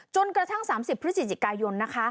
กระทั่ง๓๐พฤศจิกายนนะคะ